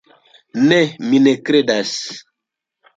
Ne, mi ne kredas.